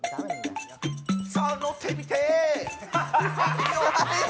さあ、ノッてみて。